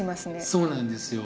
そうなんですよ。